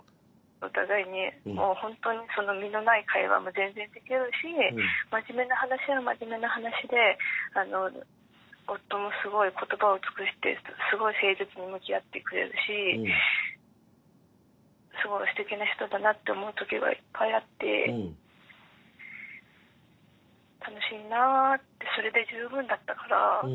お互いにもうほんとに実のない会話も全然できるし真面目な話は真面目な話で夫もすごい言葉を尽くしてすごい誠実に向き合ってくれるしすごいすてきな人だなって思う時がいっぱいあって楽しいなあってそれで十分だったから。